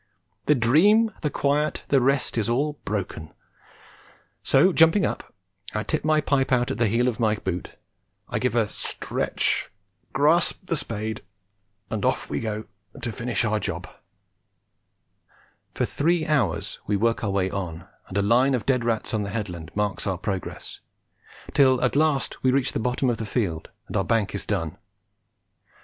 The dream, the quiet, the rest is all broken, so, jumping up, I tip my pipe out on the heel of my boot, give a stretch, grasp the spade, and off we go to finish our job. For three hours we work our way on, and a line of dead rats on the headland marks our progress, till at last we reach the bottom of the field and our bank is done.